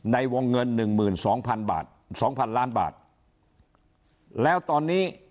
ในวงเงินหนึ่งหมื่นสองพันบาทสองพันล้านบาทแล้วตอนนี้